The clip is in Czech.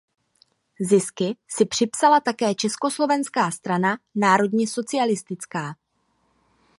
Zisky si připsala také Československá strana národně socialistická.